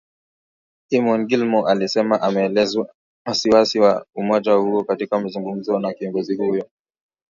Eamon Gilmore alisema ameelezea wasi-wasi wa umoja huo katika mazungumzo na kiongozi huyo